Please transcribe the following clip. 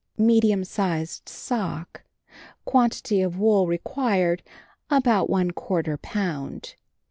MEDIUM SIZED SOCK Quantity of wool required: about one quarter pound.